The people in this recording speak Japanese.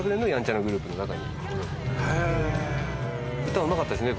歌はうまかったですね